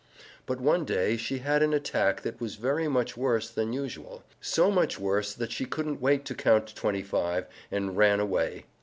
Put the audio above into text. But one day she had an attack that was very much worse than usual so much worse that she couldn't wait to count twenty five, and ran away.